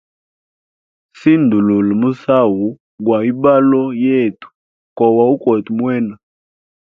Sindulula musau gwa ibalo yetu ko wokwete mwena.